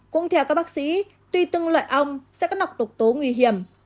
cũng theo các bác sĩ tuy từng loại ong sẽ có nọc độc tố nguy hiểm